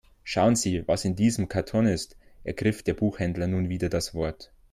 Schauen Sie, was in diesem Karton ist, ergriff der Buchhändler nun wieder das Wort.